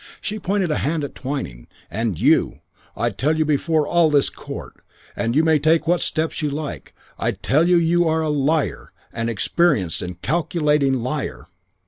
She pointed a hand at Twyning. 'And you. I tell you before all this court, and you may take what steps you like, I tell you that you are a liar, an experienced and calculating liar.'